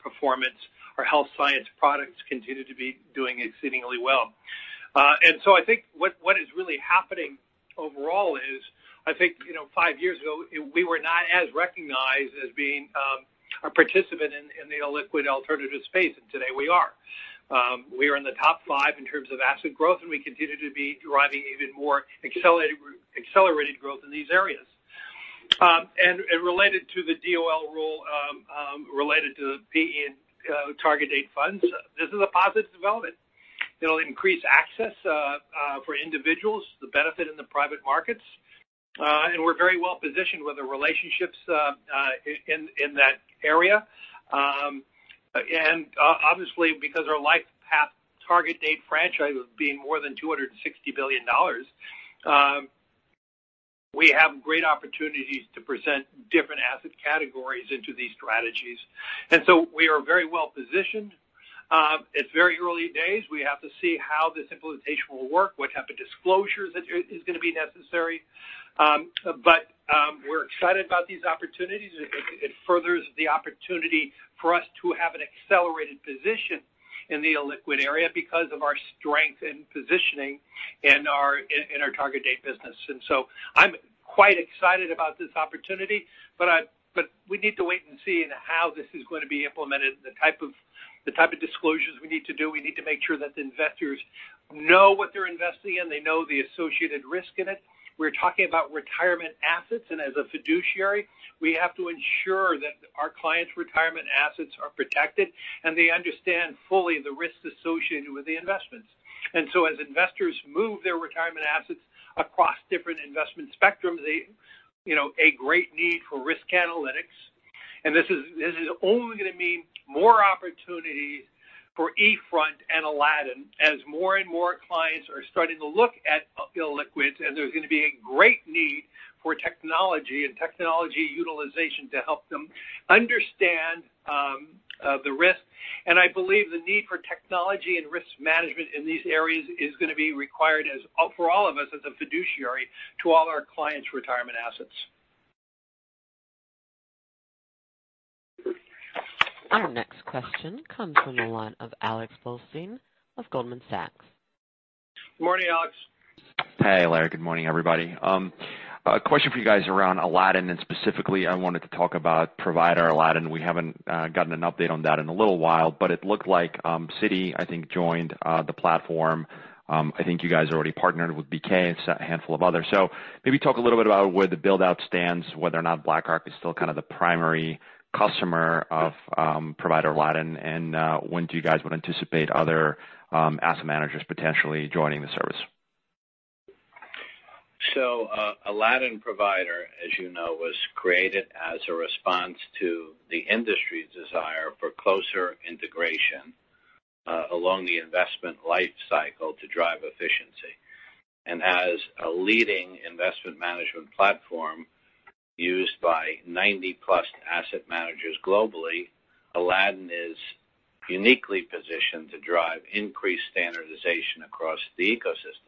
performance. Our health science products continue to be doing exceedingly well. I think what is really happening overall is, I think five years ago, we were not as recognized as being a participant in the illiquid alternatives space, and today we are. We are in the top five in terms of asset growth, and we continue to be driving even more accelerated growth in these areas. Related to the DOL rule, related to the target date funds, this is a positive development. It'll increase access for individuals, the benefit in the private markets, and we're very well-positioned with the relationships in that area. Obviously, because our LifePath target date franchise of being more than $260 billion, we have great opportunities to present different asset categories into these strategies. We are very well-positioned. It's very early days. We have to see how this implementation will work, what type of disclosures is going to be necessary. We're excited about these opportunities. It furthers the opportunity for us to have an accelerated position in the illiquid area because of our strength and positioning in our target date business. I'm quite excited about this opportunity. We need to wait and see in how this is going to be implemented, the type of disclosures we need to do. We need to make sure that the investors know what they're investing in, they know the associated risk in it. We're talking about retirement assets, and as a fiduciary, we have to ensure that our clients' retirement assets are protected, and they understand fully the risks associated with the investments. As investors move their retirement assets across different investment spectrums, a great need for risk analytics. This is only going to mean more opportunities for eFront and Aladdin as more and more clients are starting to look at illiquids, and there's going to be a great need for technology and technology utilization to help them understand the risk. I believe the need for technology and risk management in these areas is going to be required for all of us as a fiduciary to all our clients' retirement assets. Our next question comes from the line of Alex Blostein of Goldman Sachs. Morning, Alex. Hey, Larry. Good morning, everybody. A question for you guys around Aladdin, and specifically, I wanted to talk about Provider Aladdin. We haven't gotten an update on that in a little while, but it looked like Citi, I think, joined the platform. I think you guys already partnered with BK and a handful of others. Maybe talk a little bit about where the build-out stands, whether or not BlackRock is still kind of the primary customer of Provider Aladdin, and when do you guys would anticipate other asset managers potentially joining the service? Aladdin Provider, as you know, was created as a response to the industry's desire for closer integration along the investment life cycle to drive efficiency. As a leading investment management platform used by 90-plus asset managers globally, Aladdin is uniquely positioned to drive increased standardization across the ecosystem.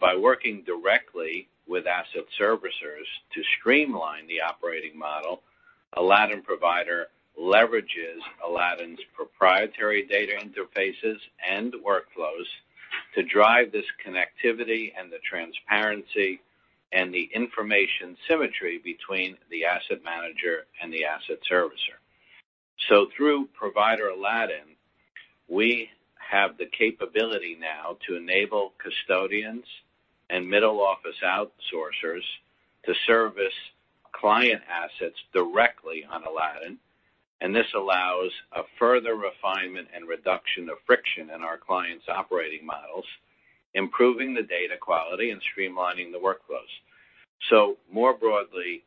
By working directly with asset servicers to streamline the operating model, Aladdin Provider leverages Aladdin's proprietary data interfaces and workflows to drive this connectivity and the transparency and the information symmetry between the asset manager and the asset servicer. Through Provider Aladdin, we have the capability now to enable custodians and middle office outsourcers to service client assets directly on Aladdin, and this allows a further refinement and reduction of friction in our clients' operating models, improving the data quality and streamlining the workflows. More broadly,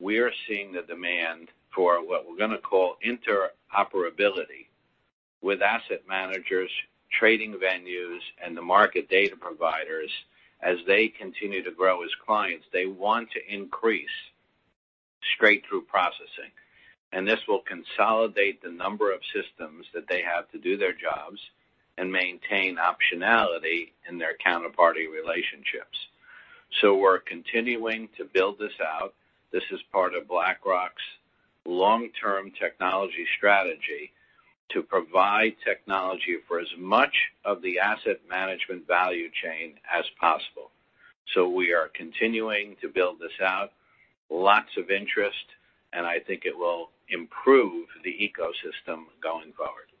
we are seeing the demand for what we're going to call interoperability with asset managers, trading venues, and the market data providers. As they continue to grow as clients, they want to increase straight-through processing. This will consolidate the number of systems that they have to do their jobs and maintain optionality in their counterparty relationships. We're continuing to build this out. This is part of BlackRock's long-term technology strategy to provide technology for as much of the asset management value chain as possible. We are continuing to build this out. Lots of interest, and I think it will improve the ecosystem going forward.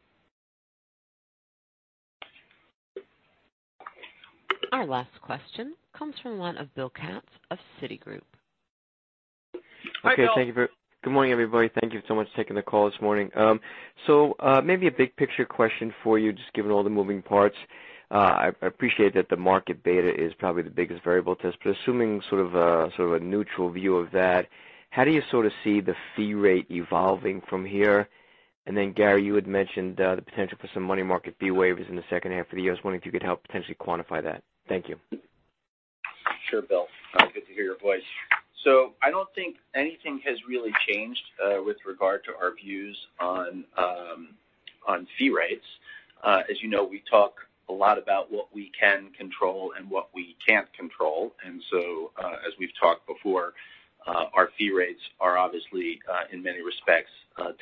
Our last question comes from one of Bill Katz of Citigroup. Hi, Bill. Good morning, everybody. Thank you so much for taking the call this morning. Maybe a big picture question for you, just given all the moving parts. I appreciate that the market beta is probably the biggest variable to this, but assuming sort of a neutral view of that, how do you sort of see the fee rate evolving from here? Then Gary, you had mentioned the potential for some money market fee waivers in the second half of the year. I was wondering if you could help potentially quantify that. Thank you. Sure, Bill. Good to hear your voice. I don't think anything has really changed with regard to our views on fee rates. As you know, we talk a lot about what we can control and what we can't control. As we've talked before, our fee rates are obviously in many respects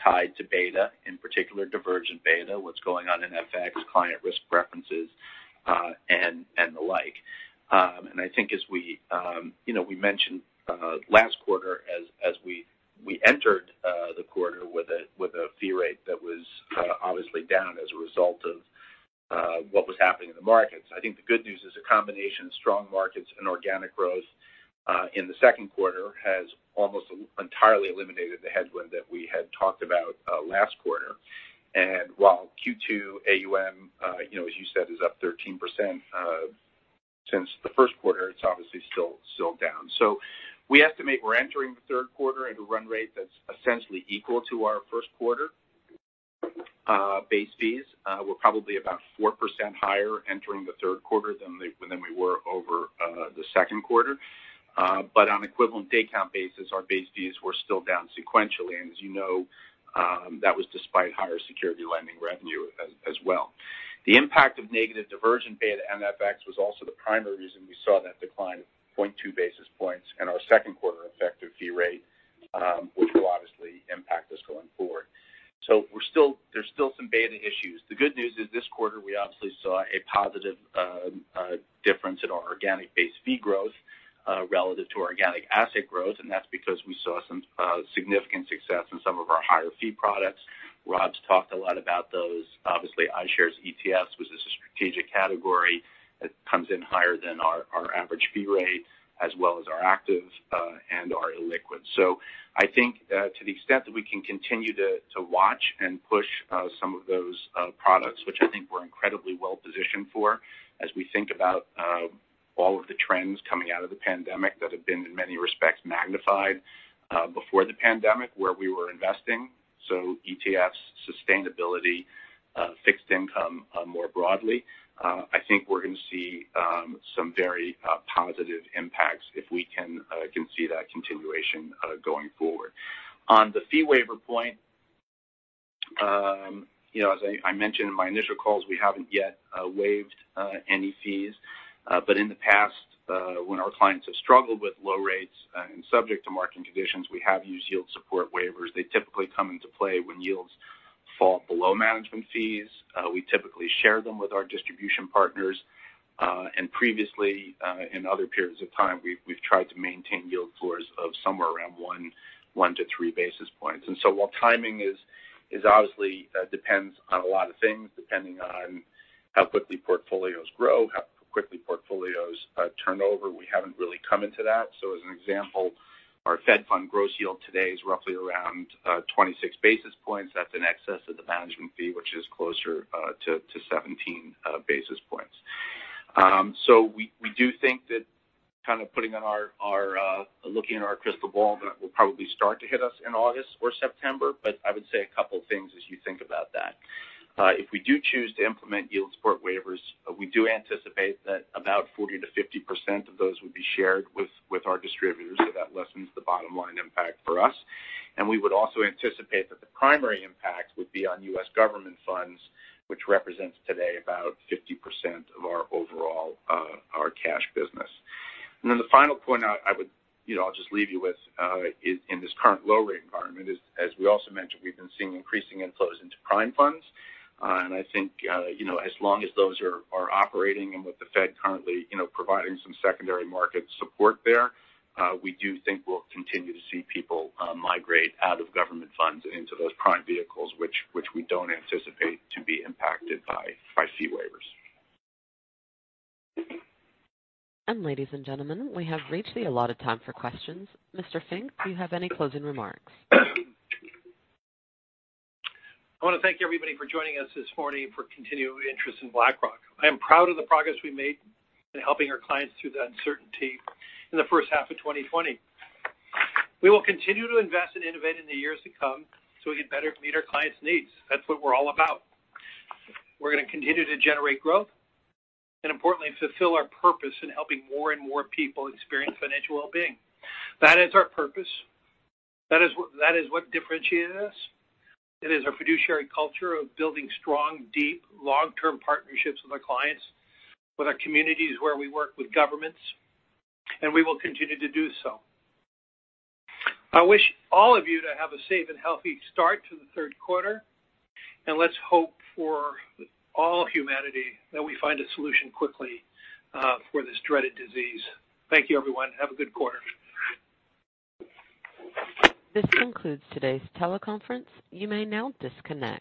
tied to beta, in particular divergent beta, what's going on in FX, client risk preferences, and the like. I think as we mentioned, last quarter as we entered the quarter with a fee rate that was obviously down as a result of what was happening in the markets. I think the good news is a combination of strong markets and organic growth, in the second quarter has almost entirely eliminated the headwind that we had talked about last quarter. While Q2 AUM, as you said, is up 13%, since the first quarter, it's obviously still down. We estimate we're entering the third quarter at a run rate that's essentially equal to our first quarter. Base fees were probably about 4% higher entering the third quarter than we were over the second quarter. On equivalent day count basis, our base fees were still down sequentially. As you know, that was despite higher security lending revenue as well. The impact of negative divergent beta and FX was also the primary reason we saw that decline of 0.2 basis points in our second quarter effective fee rate, which will obviously impact us going forward. There's still some beta issues. The good news is this quarter we obviously saw a positive difference in our organic-based fee growth relative to organic asset growth. That's because we saw some significant success in some of our higher fee products. Rob's talked a lot about those. Obviously iShares ETFs was a strategic category that comes in higher than our average fee rate as well as our active and our illiquid. I think to the extent that we can continue to watch and push some of those products, which I think we're incredibly well positioned for as we think about all of the trends coming out of the pandemic that have been in many respects magnified before the pandemic where we were investing. ETFs, sustainability, fixed income more broadly. I think we're going to see some very positive impacts if we can see that continuation going forward. On the fee waiver point, as I mentioned in my initial calls, we haven't yet waived any fees. In the past, when our clients have struggled with low rates and subject to market conditions, we have used yield support waivers. They typically come into play when yields fall below management fees. We typically share them with our distribution partners. Previously, in other periods of time, we've tried to maintain yield floors of somewhere around one to three basis points. While timing obviously depends on a lot of things, depending on how quickly portfolios grow, how quickly portfolios turnover, we haven't really come into that. As an example, our Fed Fund gross yield today is roughly around 26 basis points. That's in excess of the management fee, which is closer to 17 basis points. We do think that kind of looking at our crystal ball that will probably start to hit us in August or September. I would say a couple of things as you think about that. If we do choose to implement yield support waivers, we do anticipate that about 40%-50% of those would be shared with our distributors. That lessens the bottom line impact for us. We would also anticipate that the primary impact would be on U.S. government funds, which represents today about 50% of our overall cash business. The final point I'll just leave you with, in this current low rate environment is, as we also mentioned, we've been seeing increasing inflows into prime funds. I think as long as those are operating and with the Fed currently providing some secondary market support there, we do think we'll continue to see people migrate out of government funds into those prime vehicles, which we don't anticipate to be impacted by fee waivers. Ladies and gentlemen, we have reached the allotted time for questions. Mr. Fink, do you have any closing remarks? I want to thank everybody for joining us this morning for continued interest in BlackRock. I am proud of the progress we made in helping our clients through the uncertainty in the first half of 2020. We will continue to invest and innovate in the years to come so we can better meet our clients' needs. That's what we're all about. We're going to continue to generate growth and importantly, fulfill our purpose in helping more and more people experience financial well-being. That is our purpose. That is what differentiates us. It is our fiduciary culture of building strong, deep, long-term partnerships with our clients, with our communities where we work with governments, and we will continue to do so. I wish all of you to have a safe and healthy start to the third quarter, and let's hope for all humanity that we find a solution quickly for this dreaded disease. Thank you, everyone. Have a good quarter. This concludes today's teleconference. You may now disconnect.